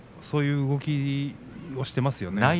そういう動きをしていますね。